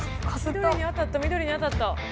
緑に当たった緑に当たった。